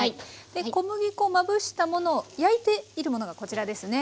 で小麦粉まぶしたものを焼いているものがこちらですね。